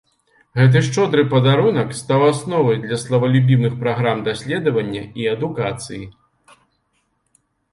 Гэты шчодры падарунак стаў асновай для славалюбівых праграм даследавання і адукацыі.